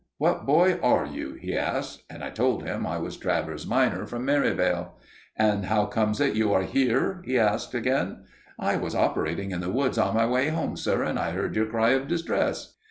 "'What boy are you?' he asked, and I told him I was Travers minor from Merivale. "'And how comes it you are here?' he asked again. "'I was operating in the woods on my way home, sir, and I heard your cry of distress.